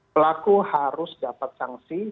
pelaku harus dapat sanksi